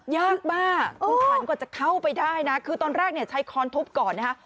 ยากมากคุณขันกว่าจะเข้าไปได้นะคือตอนแรกเนี่ยใช้ค้อนทุบก่อนนะฮะ